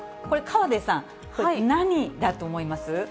これ、河出さん、何だと思います？